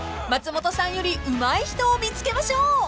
［松本さんよりうまい人を見つけましょう］